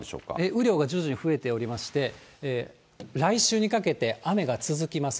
雨量が徐々に増えておりまして、来週にかけて雨が続きます。